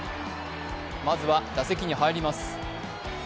まずは打席に入ります。